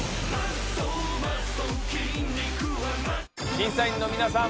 審査員のみなさん